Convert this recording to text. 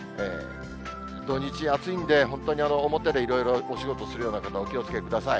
土日暑いんで、本当に表でいろいろお仕事するような方、お気をつけください。